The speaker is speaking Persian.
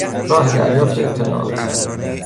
راه دریافت اطلاعات